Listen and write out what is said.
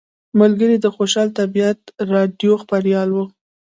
ملګري خوشحال طیب راډیو خبریال و.